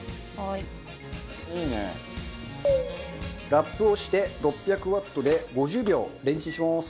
ラップをして６００ワットで５０秒レンチンします。